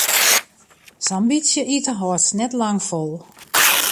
Sa'n bytsje ite hâldst net lang fol.